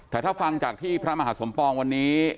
แต่ถ้าฟังจากที่พระมหาสมปองวันนี้